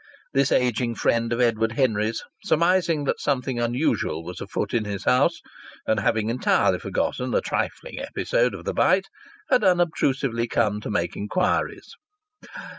This ageing friend of Edward Henry's, surmising that something unusual was afoot in his house, and having entirely forgotten the trifling episode of the bite, had unobtrusively come to make inquiries.